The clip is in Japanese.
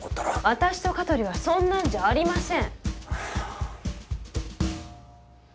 私と香取はそんなんじゃありません！